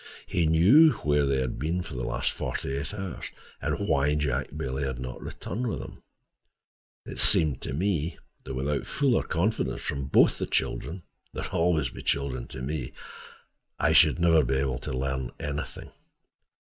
He knew where they had been for the last forty eight hours, and why Jack Bailey had not returned with him. It seemed to me that without fuller confidence from both the children—they are always children to me—I should never be able to learn anything.